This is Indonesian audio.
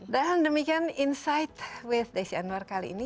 dan demikian insight with desy anwar kali ini